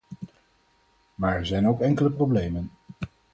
Maar er zijn ook enkele problemen.